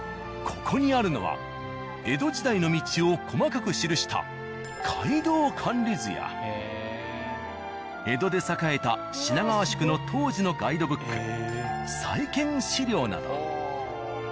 ここにあるのは江戸時代の道を細かく記した街道管理図や江戸で栄えた品川宿の当時のガイドブック細見資料など。